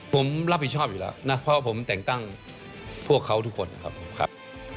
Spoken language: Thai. ผมรับผิดชอบอยู่แล้วนะเพราะผมแต่งตั้งพวกเขาทุกคนนะครับผมครับ